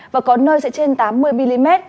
và có nơi sẽ trên tám mươi mm